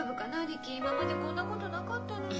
リキ今までこんなことなかったのに。